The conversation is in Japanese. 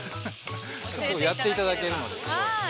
やっていただけるので。